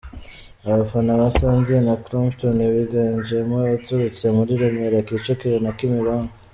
Abana basangiye na Clapton, biganjemo abaturutse muri Remera, Kicukiro na Kimironko.